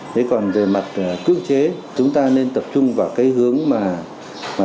nếu còn về mặt cư chế chúng ta nên tập trung vào cái hướng mà